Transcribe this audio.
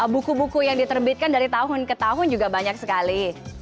buku buku yang diterbitkan dari tahun ke tahun juga banyak sekali